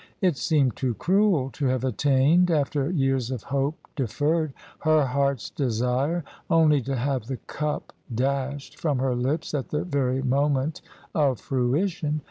It seemed too cruel to have attained, after years of hope deferred, her heart's desire, only to have the cup dashed from her lips at the very moment of fruition.